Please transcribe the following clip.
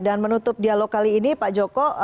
dan menutup dialog kali ini pak joko